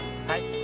はい！